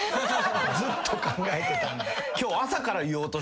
ずっと考えてたんだ。